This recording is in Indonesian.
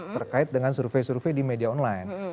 terkait dengan survei survei di media online